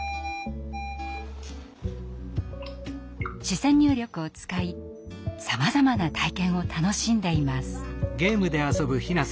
視線入力を使いさまざまな体験を楽しんでいます。